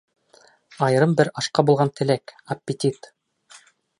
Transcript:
Айырым бер ашҡа булған теләк, аппетит.